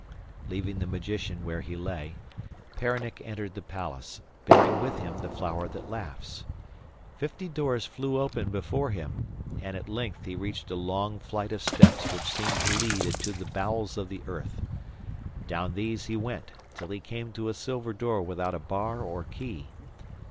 Leaving the magician where he lay, Peronnik entered the palace, bearing with him the flower that laughs. Fifty doors flew open before him, and at length he reached a long flight of steps which seemed to lead into the bowels of the earth. Down these he went till he came to a silver door without a bar or key.